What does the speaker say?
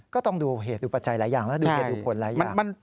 ก็ต้องดูเหตุดูปัจจัยหลายอย่างแล้วดูเหตุดูผลหลายอย่าง